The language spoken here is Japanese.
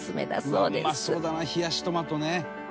「うまそうだな冷やしトマトね」